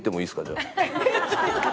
じゃあ。